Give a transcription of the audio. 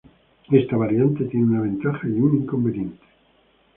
Esta variante tiene una ventaja y un inconveniente.